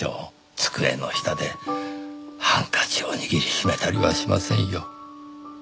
机の下でハンカチを握りしめたりはしませんよ。